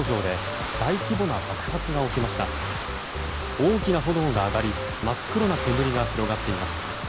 大きな炎が上がり真っ黒な煙が広がっています。